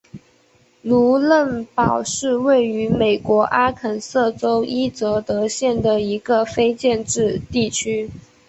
卢嫩堡是位于美国阿肯色州伊泽德县的一个非建制地区。